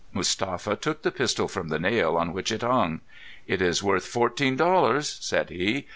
Mustapha took the pistol from the nail on which it hung. "It is worth fourteen dollars," said he.